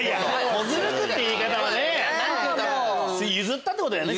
「小ずるく」って言い方は譲ったってことだよね